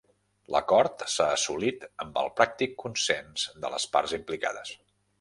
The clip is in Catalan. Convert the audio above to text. L'acord s'ha assolit amb el pràctic consens de les parts implicades.